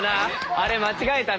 あれ間違えたな。